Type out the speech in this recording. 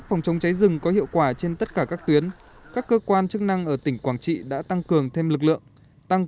phối hợp với các chốt chống cháy rừng các cơ quan chức năng ở tỉnh quảng trị đã tăng cường thêm lực lượng